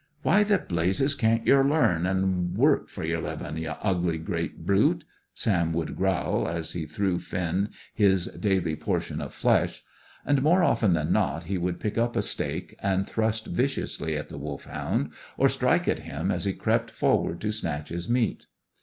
"Why the blazes can't yer learn, an' work fer yer livin', ye ugly great brute?" Sam would growl, as he threw Finn his daily portion of flesh. And, more often than not, he would pick up a stake, and thrust viciously at the Wolfhound, or strike at him as he crept forward to snatch his meat.